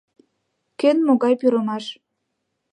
Кӧн могай пӱрымаш.